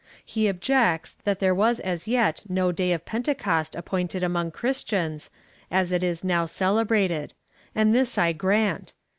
He objects, that there was as yet no day of Pentecost appointed among Christians, as it is now cele brated ; and this I grant.